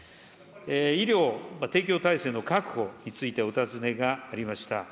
医療提供体制の確保について、お尋ねがありました。